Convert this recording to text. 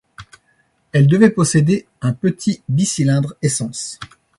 Elle devait posséder un petit bicylindres essence.